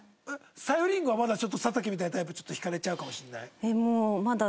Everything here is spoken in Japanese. さゆりんごはまだちょっと佐竹みたいなタイプ惹かれちゃうかもしれない？